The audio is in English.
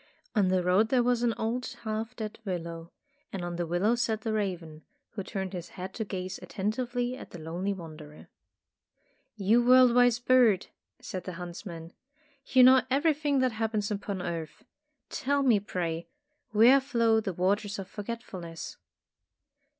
On the road there was an old half dead willow, and on the willow sat the raven, 148 Tales of Modern Germany who turned his head to gaze attentively at the lonely wanderer. ''You world wise bird," said the hunts man, "you know everything that happens upon earth. Tell me, pray, where flow the Waters of Forgetfulness?"